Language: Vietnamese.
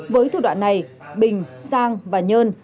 với thủ đoạn này bình sang và nhơn